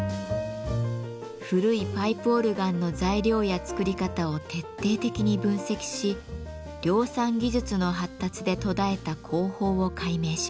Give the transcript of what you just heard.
古いパイプオルガンの材料や作り方を徹底的に分析し量産技術の発達で途絶えた工法を解明します。